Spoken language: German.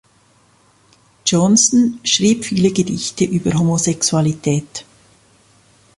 Johnson schrieb viele Gedichte über Homosexualität.